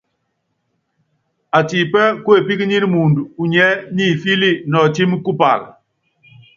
Atipí kuepíkíníni muundú unyiɛ́ nimfíli nɔɔtímí kupála.